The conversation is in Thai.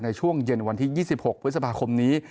ในช่วงเย็นวันที่๒๖พฤษภาคมนี้